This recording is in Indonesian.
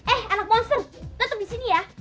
eh anak monster tetep disini ya